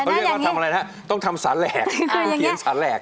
เขาเรียกว่าทำอะไรนะต้องทำสารแหลก